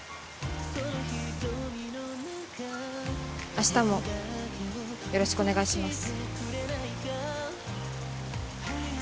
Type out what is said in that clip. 明日もよろしくお願いします。